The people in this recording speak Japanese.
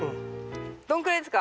どんくらいですか？